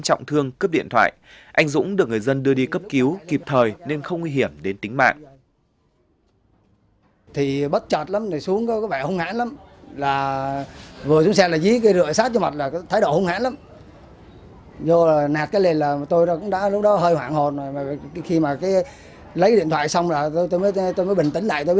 cướp điện thoại anh dũng được người dân đưa đi cấp cứu kịp thời nên không nguy hiểm đến tính mạng